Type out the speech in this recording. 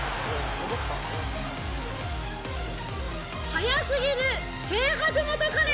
早過ぎる軽薄元カレ！